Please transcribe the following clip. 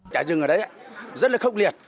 trái rừng ở đấy rất là khốc liệt